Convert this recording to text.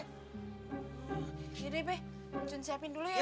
ya deh be cun siapin dulu ya be